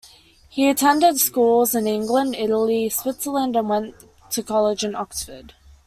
He attended schools in England, Italy and Switzerland, and went to college in Oxford.